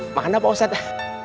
aduh mana posetnya